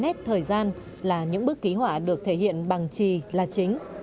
hết thời gian là những bức ký họa được thể hiện bằng trì là chính